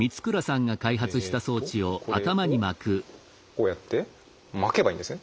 えっとこれをこうやって巻けばいいんですね？